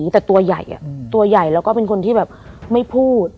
แต่ตัวใหญ่ตัวใหญ่แล้วก็เป็นคนที่แบบไม่พูด